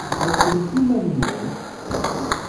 Ḥreklet iman-nwen!